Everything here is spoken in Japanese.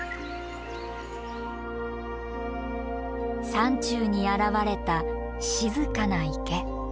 山中に現れた静かな池。